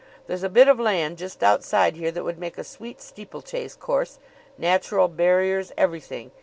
There's a bit of land just outside here that would make a sweet steeplechase course; natural barriers; everything.